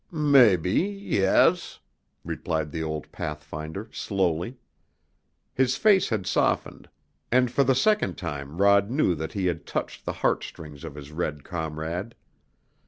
"Mebby yes," replied the old pathfinder slowly. His face had softened, and for the second time Rod knew that he had touched the heartstrings of his red comrade.